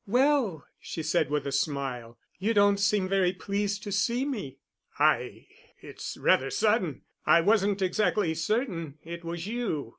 "Well," she said with a smile, "you don't seem very pleased to see me." "I—it's rather sudden. I wasn't exactly certain it was you."